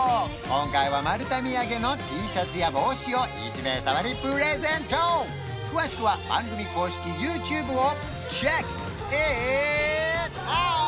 今回はマルタ土産のＴシャツや帽子を１名様にプレゼント詳しくは番組公式ＹｏｕＴｕｂｅをｃｈｅｃｋｉｔｏｕｔ！